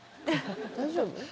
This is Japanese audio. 大丈夫？